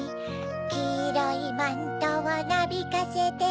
きいろいマントをなびかせて